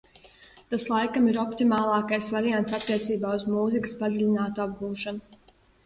Tas laikam ir optimālākais variants attiecībā uz mūzikas padziļinātu apgūšanu.